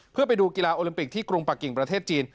เพื่อไปดูกีฬาโอลิมปิกที่กรุงปะกิ่งประเทศจีน